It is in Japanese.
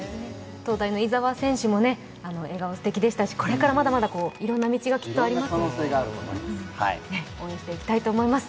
東大の井澤選手も笑顔がすてきでしたし、これからまだまだいろんな道がきっとあります。